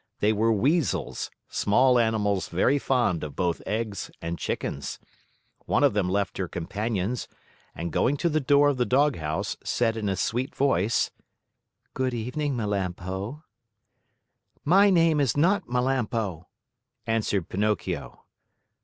They were Weasels, small animals very fond of both eggs and chickens. One of them left her companions and, going to the door of the doghouse, said in a sweet voice: "Good evening, Melampo." "My name is not Melampo," answered Pinocchio.